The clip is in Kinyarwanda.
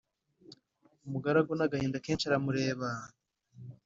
umugaragu n'agahinda kenshi aramureba,